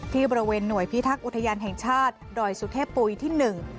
ที่บริเวณหน่วยพิทักษ์อุทยานแห่งชาติดอยสุเทพปุยที่หนึ่ง